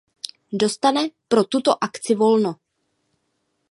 Dostane pro tuto akci volno.